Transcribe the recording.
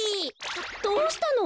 どうしたの？